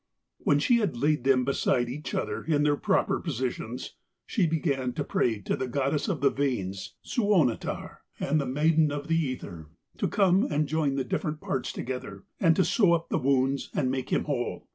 When she had laid them beside each other, in their proper positions, she began to pray to the goddess of the veins, Suonetar, and the maiden of the ether, to come and join the different parts together, and to sew up the wounds and make him whole.